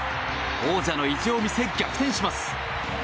王者の意地を見せ、逆転します。